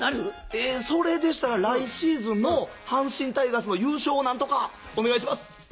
えそれでしたら来シーズンの阪神タイガースの優勝を何とかお願いします。